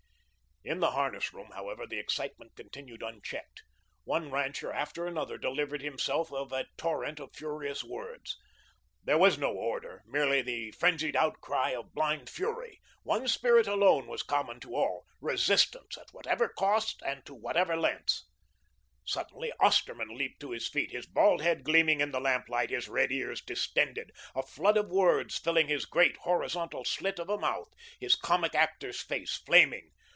In the harness room, however, the excitement continued unchecked. One rancher after another delivered himself of a torrent of furious words. There was no order, merely the frenzied outcry of blind fury. One spirit alone was common to all resistance at whatever cost and to whatever lengths. Suddenly Osterman leaped to his feet, his bald head gleaming in the lamp light, his red ears distended, a flood of words filling his great, horizontal slit of a mouth, his comic actor's face flaming.